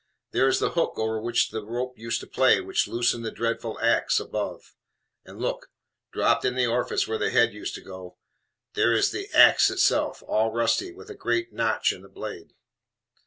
There is the hook over which the rope used to play which unloosened the dreadful ax above; and look! dropped into the orifice where the head used to go there is THE AX itself, all rusty, with A GREAT NOTCH IN THE BLADE.